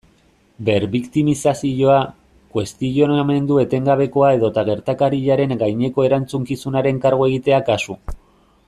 Berbiktimizazioa, kuestionamendu etengabekoa edota gertakariaren gaineko erantzukizunaren kargu egitea kasu.